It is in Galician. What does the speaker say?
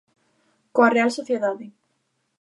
Coa Real Sociedade.